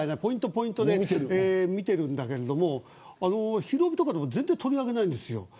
ポイントで見てるんだけれどもひるおびとかでも全然取り上げないんですよ。